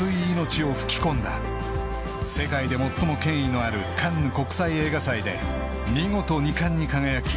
［世界で最も権威のあるカンヌ国際映画祭で見事２冠に輝き